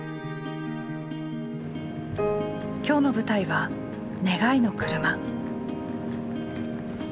今日の舞台は「願いのくるま」。